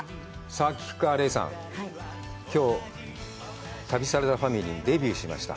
さあ、菊川怜さん、きょう、旅サラダファミリー、デビューしました。